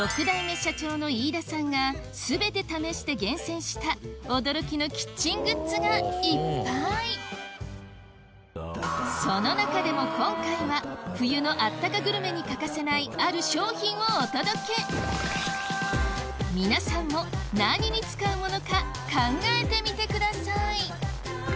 ６代目社長の飯田さんが全て試して厳選した驚きのキッチングッズがいっぱいその中でも今回は冬のあったかグルメに欠かせないある商品をお届け皆さんも何に使うものか考えてみてください